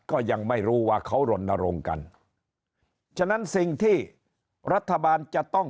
ก็ยังไม่รู้ว่าเขารณรงค์กันฉะนั้นสิ่งที่รัฐบาลจะต้อง